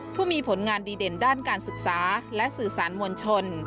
ผู้มีผลงานดีเด่นด้านการศึกษาและสื่อสารมวลชน